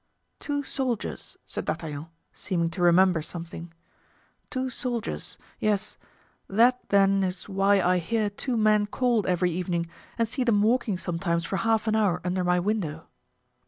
"Two soldiers," said D'Artagnan, seeming to remember something, "two soldiers, yes; that, then, is why I hear two men called every evening and see them walking sometimes for half an hour, under my window."